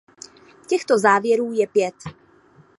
Těchto závěrů je pět.